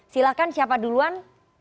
silahkan siapa duluan